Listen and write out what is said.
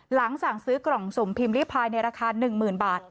สั่งซื้อกล่องสุ่มพิมพ์ริพายในราคา๑๐๐๐บาท